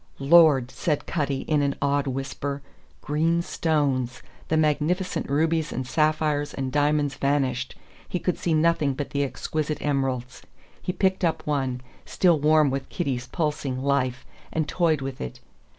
"Lord!" said Cutty, in an awed whisper. Green stones! The magnificent rubies and sapphires and diamonds vanished; he could see nothing but the exquisite emeralds. He picked up one still warm with Kitty's pulsing life and toyed with it.